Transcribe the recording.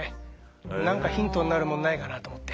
何かヒントになるものないかなと思って。